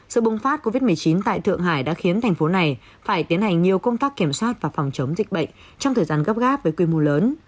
sự bùng phát covid một mươi chín tại thượng hải đã khiến thành phố này phải tiến hành nhiều công tác kiểm soát và phòng chống dịch bệnh trong thời gian gấp gáp với quy mô lớn